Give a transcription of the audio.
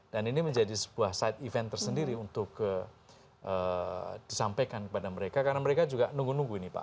dan ini menjadi sebuah site event tersendiri untuk disampaikan kepada mereka karena mereka juga nunggu nunggu ini pak